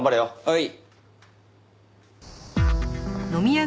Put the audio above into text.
はい。